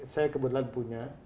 saya kebetulan punya